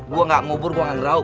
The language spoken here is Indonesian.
gue gak ngubur gue gak ngerau